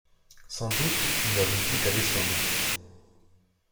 Sans doute, nous n’avons plus qu’à descendre.